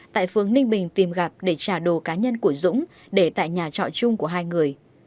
tại phường ninh bình tìm gặp để trả đồ cá nhân của dũng để tại nhà trọ chung của hai người